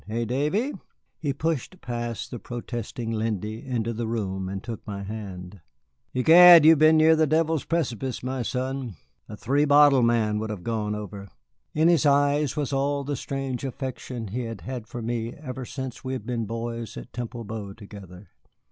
Eh, Davy?" He pushed past the protesting Lindy into the room and took my hand. "Egad, you have been near the devil's precipice, my son. A three bottle man would have gone over." In his eyes was all the strange affection he had had for me ever since we had been boys at Temple Bow together.